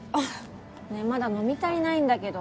ねえまだ飲み足りないんだけど。